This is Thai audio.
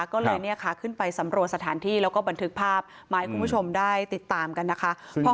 ก็เลยเนี่ยค่ะขึ้นไปสำรวจสถานที่แล้วก็บันทึกภาพมาให้คุณผู้ชมได้ติดตามกันนะคะ